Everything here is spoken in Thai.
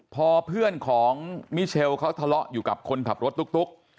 พอเพื่อนของมิเชลเขาทะเลาะอยู่กับคนขับรถตุ๊ก